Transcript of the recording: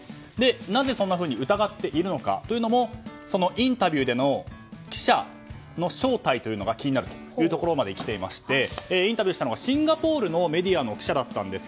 なぜそんなふうに疑っているのかというのもインタビューでの記者の正体というのが気になるというところまできていましてインタビューしたのがシンガポールのメディアの記者。